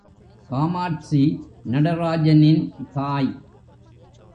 காமாட்சி நடராஜனின் தாய்.